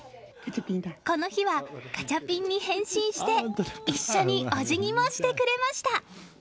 この日はガチャピンに変身して一緒にお辞儀もしてくれました。